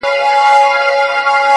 تک سپين کالي کړيدي.